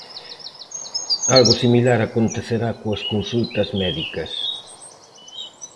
Algo similar acontecerá coas consultas médicas.